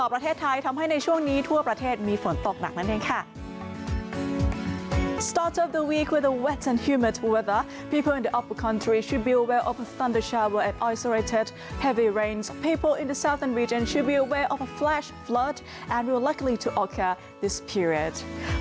เรนส์เพปอล์อินเตอร์เซอฟเตอร์รีจันทร์ชิววิเอเวอร์ออฟแฟลชฟลอดอันดาวลักษณีย์ที่ออกแค่ที่สุด